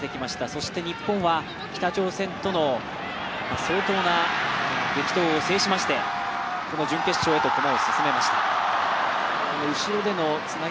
そして日本は北朝鮮との相当な激闘を制しましてこの準決勝へと駒を進めました。